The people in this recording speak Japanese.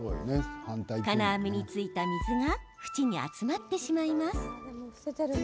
金網についた水が縁に集まってしまいます。